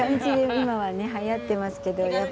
今は、はやってますけど。